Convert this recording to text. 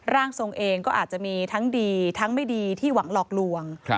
ร่างทรงเองก็อาจจะมีทั้งดีทั้งไม่ดีที่หวังหลอกลวง